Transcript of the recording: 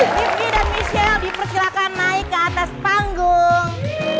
rifqi dan michelle dipersilakan naik ke atas panggung